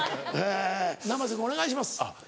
生瀬君お願いします。